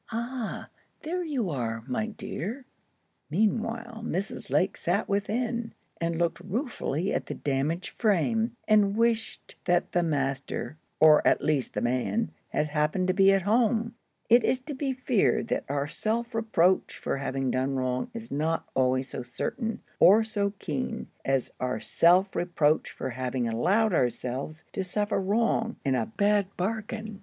"Ah, there you are, my dear!" Meanwhile, Mrs. Lake sat within, and looked ruefully at the damaged frame, and wished that the master, or at least the man, had happened to be at home. It is to be feared that our self reproach for having done wrong is not always so certain, or so keen, as our self reproach for having allowed ourselves to suffer wrong—in a bad bargain.